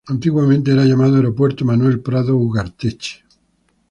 Antiguamente era llamado Aeropuerto Manuel Prado Ugarteche.